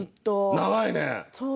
長いね。